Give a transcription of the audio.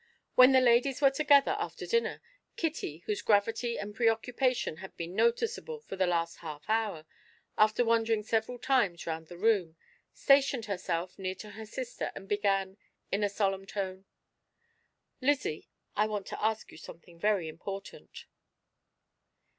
When the ladies were together after dinner, Kitty, whose gravity and preoccupation had been noticeable for the last half hour, after wandering several times round the room, stationed herself near to her sister and began, in a solemn tone: "Lizzie, I want to ask you something very important."